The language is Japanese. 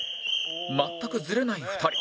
全くずれない２人